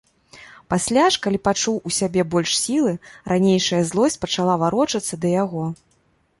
Пасля ж, калі пачуў у сябе больш сілы, ранейшая злосць пачала варочацца да яго.